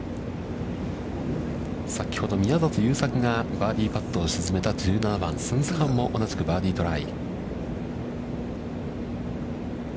先ほど宮里優作がバーディーパットを沈めた１７番、スンス・ハンも同じくバーディートライ。